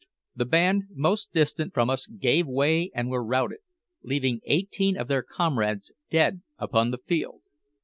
The band most distant from us gave way and were routed, leaving eighteen of their comrades dead upon the field.